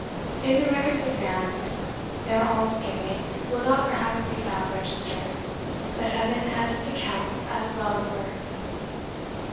In the records of man, their almsgiving will not perhaps be found registered, but Heaven has its account as well as earth.